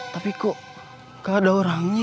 tapi kok ada orangnya